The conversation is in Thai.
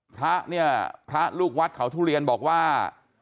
พระเนี่ยพระลูกวัดเขาทุเรียนบอกว่า